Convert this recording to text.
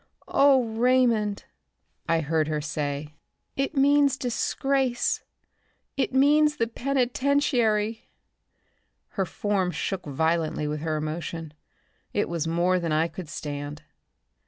"Oh, Raymond!" I heard her say. "It means disgrace. It means the penitentiary." Her form shook violently with her emotion. It was more than I could stand.